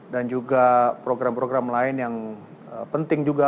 dan juga program program lain yang penting juga